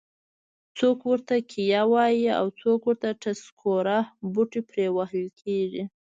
څوک ورته کیه وایي او څوک ټسکوره. بوټي پرې وهل کېږي.